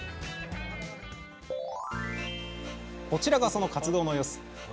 こちらがその活動の様子。